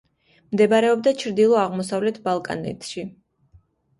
მდებარეობდა ჩრდილო-აღმოსავლეთ ბალკანეთში.